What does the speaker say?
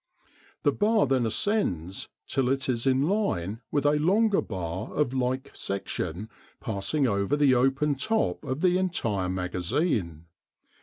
The bar then ascends till it is in line with a longer bar of like section passing over the open top of the entire magazine.